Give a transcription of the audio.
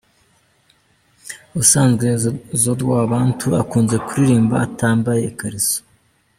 Ubusanzwe Zodwa Wabantu akunze kuririmba atambaye ikariso.